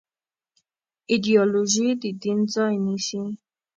ایدیالوژي د دین ځای نيسي.